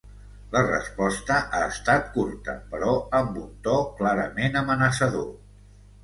La resposta ha estat curta, però amb un to clarament amenaçador.